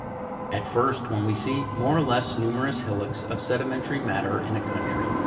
25. At first, when we see more or less numerous hillocks of sedimentary matter in a country (Jig.